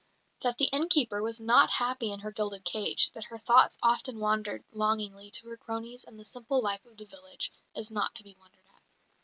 That the innkeeper was not happy in her gilded cage, that her thoughts often wandered longingly to her cronies and the simple life of the village, is not to be wondered at.